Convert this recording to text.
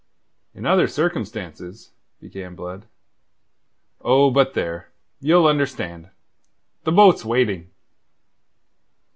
"In other circumstances..." began Blood. "Oh, but there! Ye'll understand. The boat's waiting."